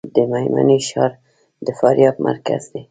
د میمنې ښار د فاریاب مرکز دی